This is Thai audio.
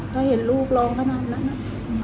ถ้าเห็นลูกร้องขนาดนั้นแล้วนะ